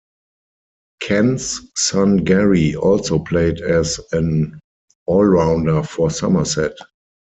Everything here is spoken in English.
Ken's son Gary also played as an all-rounder for Somerset.